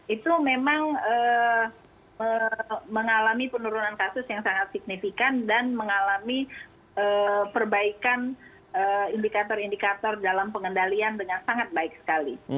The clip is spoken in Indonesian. itu memang mengalami penurunan kasus yang sangat signifikan dan mengalami perbaikan indikator indikator dalam pengendalian dengan sangat baik sekali